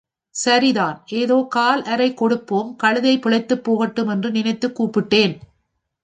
சரிதான் ஏதோ கால் அரை கொடுப்போம் கழுதை பிழைத்துப் போகட்டும் என்று நினைத்துக் கூப்பிட்டேன்.